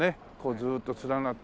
ずーっと連なって。